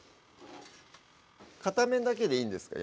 片面だけでいいんですか？